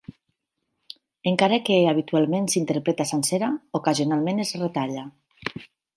Encara que habitualment s'interpreta sencera, ocasionalment es retalla.